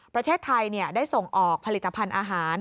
ประเทศไทยได้ส่งออกผลิตภัณฑ์อาหาร